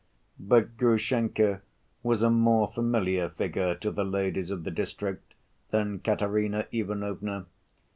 But Grushenka was a more familiar figure to the ladies of the district than Katerina Ivanovna.